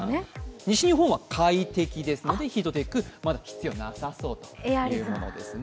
西日本は快適ですのでヒートテック、まだ必要なさそうです。